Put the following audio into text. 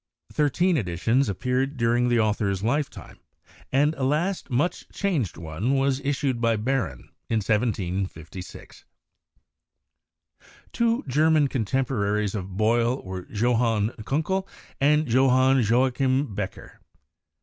Thirteen editions appeared during the author's lifetime, and a last much changed one was issued by Baron in 1756. Two German contemporaries of Boyle were Johann Kunckel and Johann Joachim Becher.